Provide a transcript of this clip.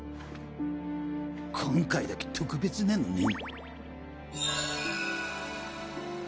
今回だけ特別なのねん。